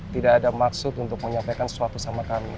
tidak ada maksud untuk menyampaikan sesuatu sama kami